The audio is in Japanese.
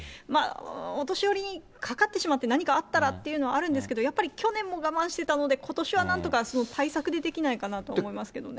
お年寄りにかかってしまって何かあったらっていうのはあるんですけど、やっぱり去年も我慢していたので、ことしはなんとか対策でできないかなと思いますけどね。